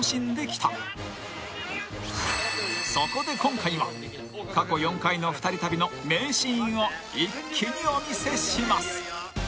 ［そこで今回は過去４回の２人旅の名シーンを一気にお見せします］